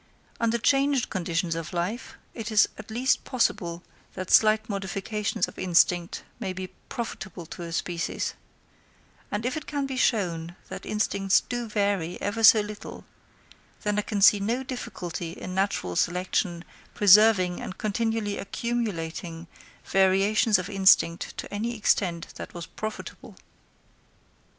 Under changed conditions of life, it is at least possible that slight modifications of instinct might be profitable to a species; and if it can be shown that instincts do vary ever so little, then I can see no difficulty in natural selection preserving and continually accumulating variations of instinct to any extent that was profitable.